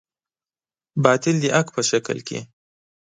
باطل د حق په شکل کې.